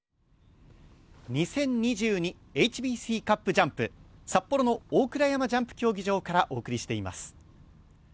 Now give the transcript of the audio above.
ＨＢＣカップジャンプ札幌の大倉山ジャンプ競技場からお送りしています。